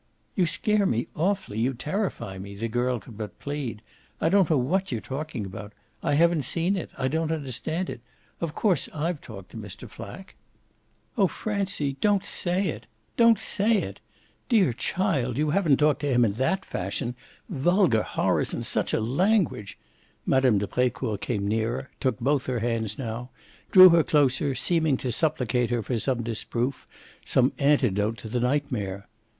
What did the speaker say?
"You scare me awfully you terrify me," the girl could but plead. "I don't know what you're talking about. I haven't seen it, I don't understand it. Of course I've talked to Mr. Flack." "Oh Francie, don't say it don't SAY it! Dear child, you haven't talked to him in that fashion: vulgar horrors and such a language!" Mme. de Brecourt came nearer, took both her hands now, drew her closer, seemed to supplicate her for some disproof, some antidote to the nightmare.